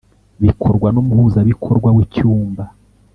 bikorwa n Umuhuzabikorwa w icyumba